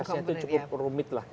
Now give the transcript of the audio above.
itu cukup rumit lah